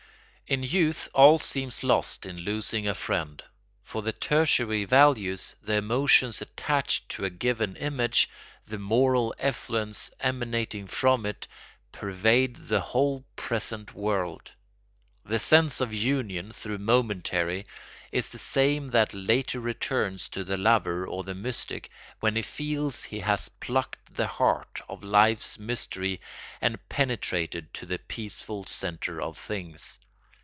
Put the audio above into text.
In youth all seems lost in losing a friend. For the tertiary values, the emotions attached to a given image, the moral effluence emanating from it, pervade the whole present world. The sense of union, though momentary, is the same that later returns to the lover or the mystic, when he feels he has plucked the heart of life's mystery and penetrated to the peaceful centre of things.